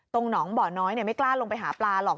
หนองบ่อน้อยไม่กล้าลงไปหาปลาหรอก